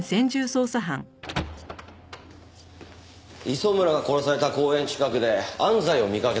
磯村が殺された公園近くで安西を見かけた目撃者が。